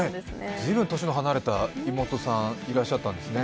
随分年の離れた妹さんいらっしゃったんですね。